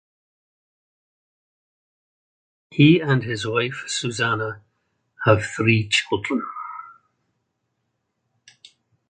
He and his wife Susanna have three children.